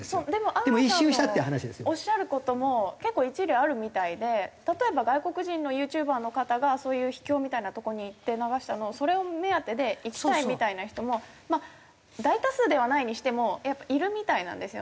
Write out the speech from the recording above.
でも阿川さんのおっしゃる事も結構一理あるみたいで例えば外国人のＹｏｕＴｕｂｅｒの方がそういう秘境みたいなとこに行って流したのをそれ目当てで行きたいみたいな人もまあ大多数ではないにしてもいるみたいなんですよね。